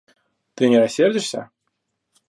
Ты не рассердишься?